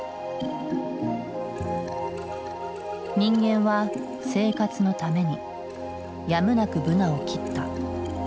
人間は生活のためにやむなくブナを切った。